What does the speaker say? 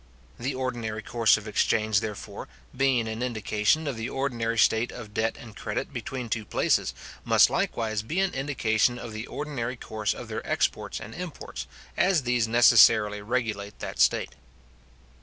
The ordinary course of exchange, therefore, being an indication of the ordinary state of debt and credit between two places, must likewise be an indication of the ordinary course of their exports and imports, as these necessarily regulate that state.